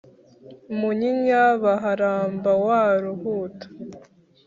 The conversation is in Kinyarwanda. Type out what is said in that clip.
Munyinya baharamba wa Ruhuta,